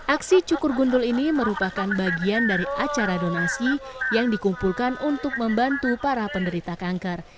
aksi cukur gundul ini merupakan bagian dari acara donasi yang dikumpulkan untuk membantu para penderita kanker